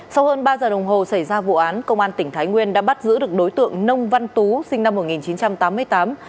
sau hơn ba giờ đồng hồ xảy ra vụ án công an tỉnh thái nguyên đã bắt giữ được đối tượng nông văn tú sinh năm một nghìn chín trăm tám mươi tám